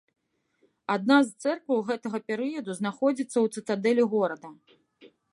Адна з цэркваў гэтага перыяду знаходзіцца ў цытадэлі горада.